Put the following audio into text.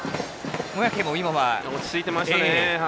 落ち着いていましたね。